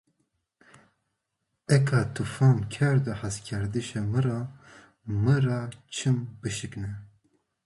Eke to fam kerdo hezkerdışê mı ra, mı ra çım bışıkne.